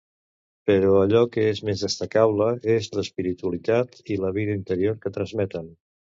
Però allò que és més destacable és l'espiritualitat i la vida interior que transmeten.